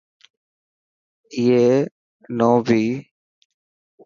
اي نو ٻئي.